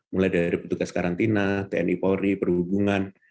mulai dari petugas karantina tni polri perhubungan